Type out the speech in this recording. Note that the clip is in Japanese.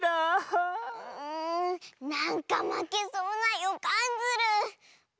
んなんかまけそうなよかんズル。